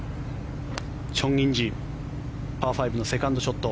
チョン・インジパー５のセカンドショット。